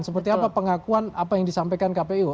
seperti apa pengakuan apa yang disampaikan kpu